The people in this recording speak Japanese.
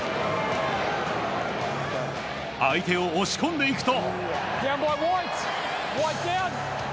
相手を押し込んでいくと。